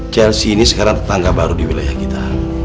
chelsea ini sekarang tetangga baru di wilayah kita